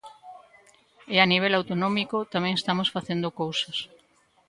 E a nivel autonómico tamén estamos facendo cousas.